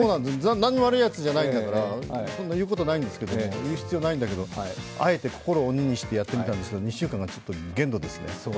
何にも悪いやつじゃないんだから、そんな言う必要ないんだけど、あえて心を鬼にしてやってみたんですけど、２週間が限度ですね。